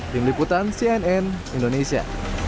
tim liputan cnn indonesia